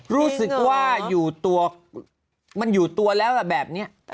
รู้สึกว่าอยู่ตัวมันอยู่ตัวแล้วแบบนี้